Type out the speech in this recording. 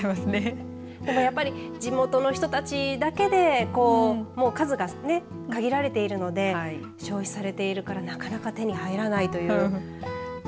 でもやっぱり地元の人たちだけで数が限られているので消費されているからなかなか手に入らないという。